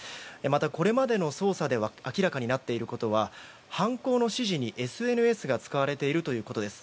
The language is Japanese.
これまでの捜査で明らかになっていることは犯行の指示にＳＮＳが使われているということです。